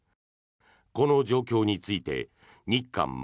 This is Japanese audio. この状況について日刊ま